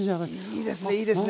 いいですねいいですね。